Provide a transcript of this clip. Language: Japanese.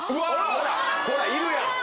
ほらっいるやん！